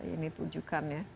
ini tujukan ya